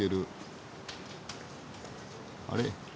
あれ？